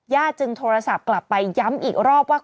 จึงโทรศัพท์กลับไปย้ำอีกรอบว่า